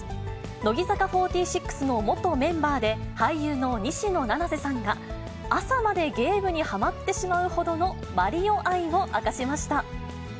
乃木坂４６の元メンバーで、俳優の西野七瀬さんが、朝までゲームにはまってしまうほどのマリオ愛を明かしました。